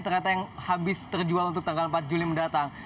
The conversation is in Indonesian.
kereta yang habis terjual untuk tanggal empat juli mendatang